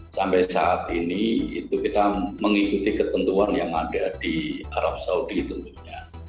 sampai saat ini itu kita mengikuti ketentuan yang ada di arab saudi tentunya